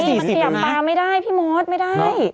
มันเปลี่ยนตามไม่ได้พี่มบาททไม่ได้